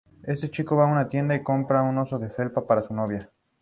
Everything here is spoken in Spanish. Fue aquí donde conoció a su futura amante, Isabel Molina.